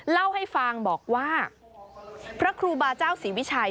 เล่าให้ฟังบอกว่าพระครูบาเจ้าศรีวิชัย